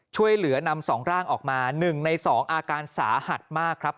ช่วยเหลือนำ๒ร่างออกมา๑ใน๒อาการสาหัสมากครับ